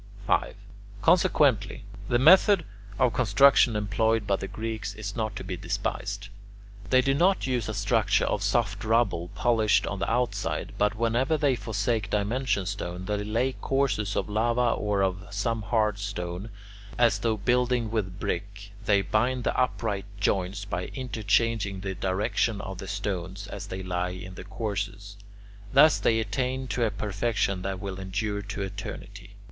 5. Consequently, the method of construction employed by the Greeks is not to be despised. They do not use a structure of soft rubble polished on the outside, but whenever they forsake dimension stone, they lay courses of lava or of some hard stone, and, as though building with brick, they bind the upright joints by interchanging the direction of the stones as they lie in the courses. Thus they attain to a perfection that will endure to eternity.